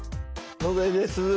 野添です。